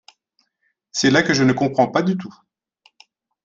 C’est là que je ne comprends pas du tout.